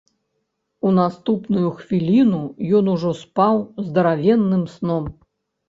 У наступную хвіліну ён ужо спаў здаравенным сном.